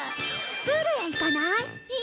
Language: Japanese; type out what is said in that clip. プールへ行かない？